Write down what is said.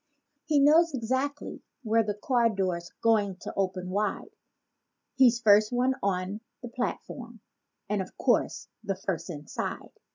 He knows exactly where the car door's going to open wide; He's first one on the platform, and of course the first inside.